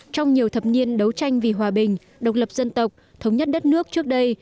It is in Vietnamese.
trong nhiều thập niên đấu tranh vì hòa bình độc lập dân tộc thống nhất đất nước trước đây